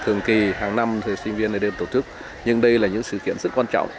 thường kỳ hàng năm sinh viên đến tổ chức nhưng đây là những sự kiện rất quan trọng